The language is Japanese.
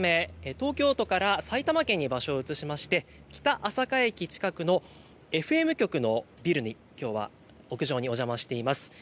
東京都から埼玉県に場所を移しまして北朝霞駅近くのＦＭ局のビルにきょうはお邪魔しています。